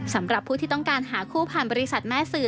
สำหรับผู้ที่ต้องการหาคู่ผ่านบริษัทแม่สื่อ